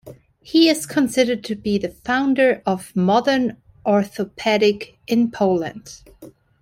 He is considered to be the founder of modern orthopedic in Poland.